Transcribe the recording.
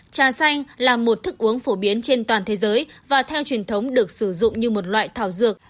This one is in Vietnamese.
trà xanh là một thức uống phổ biến trên toàn thế giới và theo truyền thống được sử dụng như một loại thảo dược